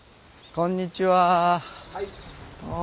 こんにちは。